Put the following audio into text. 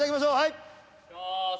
いきます。